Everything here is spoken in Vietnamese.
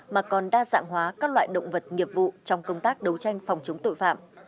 mà còn đa dạng hóa các loại động vật nghiệp vụ trong công tác đấu tranh phòng chống tội phạm